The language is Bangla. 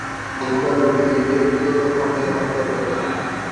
বিদ্যালয়টি ব্যক্তিগত খণ্ডের অন্তর্গত।